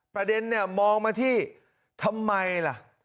ประเด็นเนี่ยมองมาที่ทำไมล่ะ